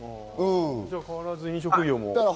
じゃあ、変わらず飲食業もね。